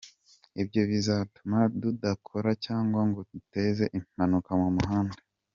Ibyo bizatuma tudakora cyangwa ngo duteze impanuka mu muhanda."